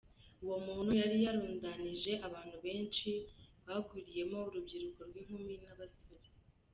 Uwo muntu yari yarundanije abantu benshi bagwiriyemo urubyiruko rw’inkumi n’abasore.